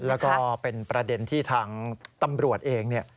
แล้วก็เป็นประเด็นที่ทางตำรวจเองเนี่ย